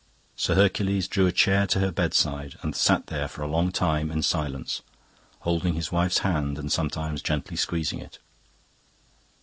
Sir Hercules drew a chair to her bedside and sat there for a long time in silence, holding his wife's hand and sometimes gently squeezing it.